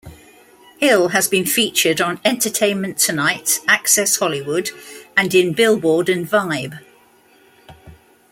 Hill has been featured on "Entertainment Tonight", "Access Hollywood", and in "Billboard" and "Vibe".